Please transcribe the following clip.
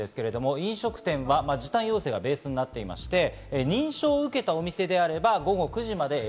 飲食店は時短要請がベースとなっていて、認証を受けたお店であれば午後９時まで。